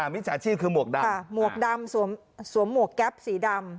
มิจฉาชีพคือหมวกดำค่ะหมวกดำสวมหมวกแก๊ปสีดำ